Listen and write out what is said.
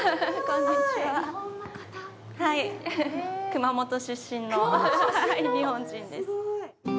熊本出身の日本人です。